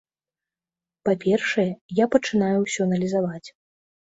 Па-першае, я пачынаю ўсё аналізаваць.